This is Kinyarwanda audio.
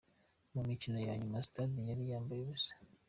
Ku mukino wa nyuma stade yari yambaye ubusa.